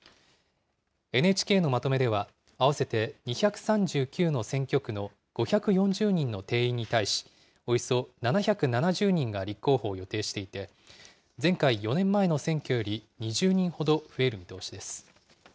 ＮＨＫのまとめでは、合わせて２３９の選挙区の５４０人の定員に対し、およそ７７０人が立候補を予定していて、前回・４年前の選挙より２０人ほど増える見通しです。